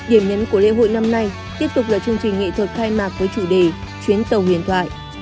điểm nhấn của lễ hội năm nay tiếp tục là chương trình nghệ thuật khai mạc với chủ đề chuyến tàu huyền thoại